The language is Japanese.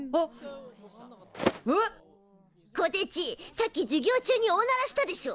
さっき授業中におならしたでしょ！